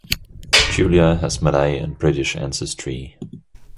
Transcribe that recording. Julia has Malay and British ancestry.